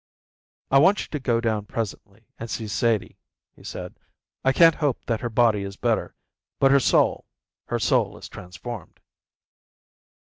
"I want you to go down presently and see Sadie," he said. "I can't hope that her body is better, but her soul her soul is transformed."